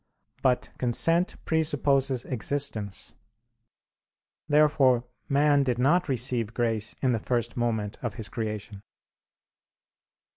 But consent presupposes existence. Therefore man did not receive grace in the first moment of his creation.